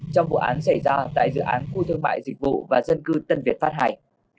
trong vụ án xảy ra tại dự án khu thương mại dịch vụ và dân cư tân việt pháp ii